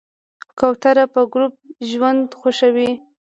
کوتره په ګروپ ژوند خوښوي.